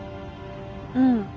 うん。